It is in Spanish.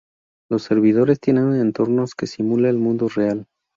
Los servidores tienen entornos que simula el mundo real.